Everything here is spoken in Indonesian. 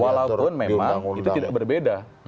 walaupun memang itu tidak berbeda